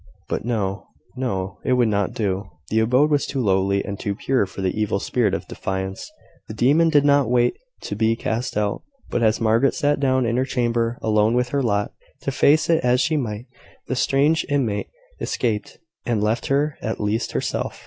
But, no; it would not do. The abode was too lowly and too pure for the evil spirit of defiance: the demon did not wait to be cast out; but as Margaret sat down in her chamber, alone with her lot, to face it as she might, the strange inmate escaped, and left her at least herself.